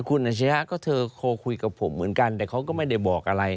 คุณอาชียะก็เธอโทรคุยกับผมเหมือนกันแต่เขาก็ไม่ได้บอกอะไร